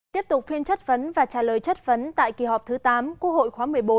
tiếp tục phiên chất vấn và trả lời chất vấn tại kỳ họp thứ tám quốc hội khóa một mươi bốn